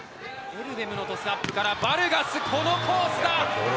のトスアップからバルガス、このコースだ。